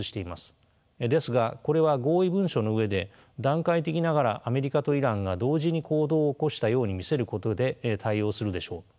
ですがこれは合意文書の上で段階的ながらアメリカとイランが同時に行動を起こしたように見せることで対応するでしょう。